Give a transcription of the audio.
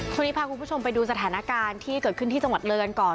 ช่วงนี้พาคุณผู้ชมไปดูสถานการณ์ที่เกิดขึ้นที่จังหวัดเรือนก่อน